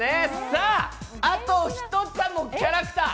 さあ、あと１つのキャラクター。